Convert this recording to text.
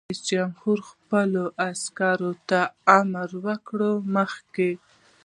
رئیس جمهور خپلو عسکرو ته امر وکړ؛ مخکې!